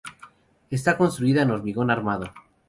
Está construida en hormigón armado.